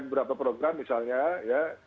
beberapa program misalnya ya